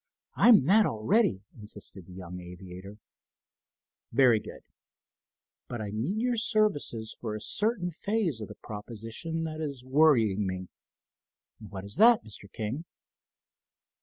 "I'm that already," insisted the young aviator. "Very good, but I need your services for a certain phase of the proposition that is worrying me." "What is that, Mr. King?"